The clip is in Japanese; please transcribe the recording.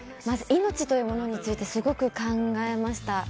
命というものについてすごく考えました。